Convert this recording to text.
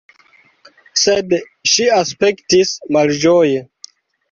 Sed ŝi aspektis malĝoje.